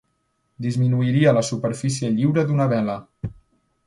Disminuiria la superfície lliure d'una vela.